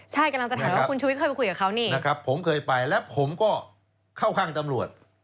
ใช่กำลังจะถามว่าคุณชุวิตเคยไปคุยกับเขานี่นะครับผมเคยไปแล้วผมก็เข้าข้างตำรวจ